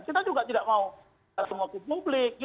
kita juga tidak mau ketemu publik